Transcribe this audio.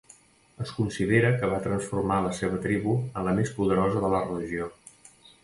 Es considera que va transformar la seva tribu en la més poderosa de la regió.